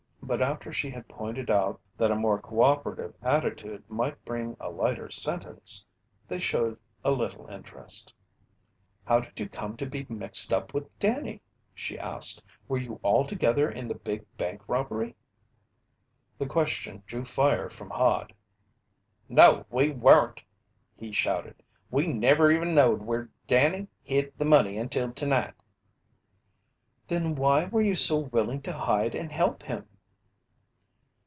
But after she had pointed out that a more cooperative attitude might bring a lighter sentence, they showed a little interest. "How did you come to be mixed up with Danny?" she asked. "Were you all together in the big bank robbery?" The question drew fire from Hod. "No, we weren't!" he shouted. "We never even knowed where Danny hid the money until tonight!" "Then why were you so willing to hide and help him?"